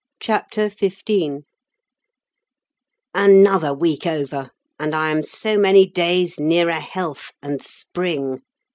CHAPTER XV Another week over—and I am so many days nearer health, and spring!